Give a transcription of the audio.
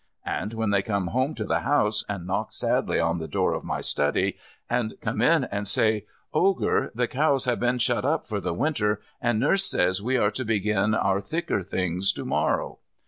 And then they come home to the house, and knock sadly on the door of my study, and come in and say, "Ogre, the cows have been shut up for the Winter, and nurse says we are to begin our thicker things to morrow."